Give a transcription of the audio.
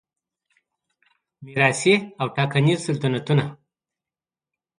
میراثي او ټاکنیز سلطنتونه